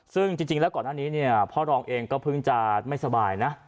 ซึ่งจริงแล้วก่อนหน้านี้เนี่ยพ่อรองเองก็เพิ่งจะไม่สบายนะ